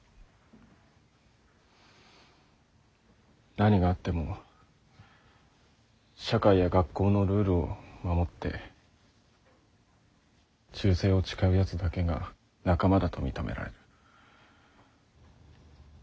何があっても社会や学校のルールを守って忠誠を誓うやつだけが仲間だと認められる。